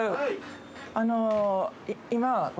あの今、笑